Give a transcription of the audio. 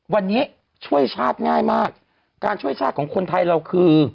วันนี้ช่วยชาติง่ายมากการช่วยชาติของคนไทยเราคือ